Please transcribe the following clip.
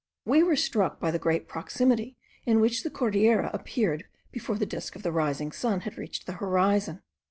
We were struck by the great proximity in which the Cordillera appeared before the disk of the rising sun had reached the horizon.